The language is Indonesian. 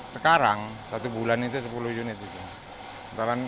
sekarang satu bulan itu sepuluh unit itu